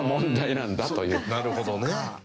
なるほどね。